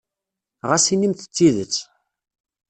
Ɣas inimt-d tidet.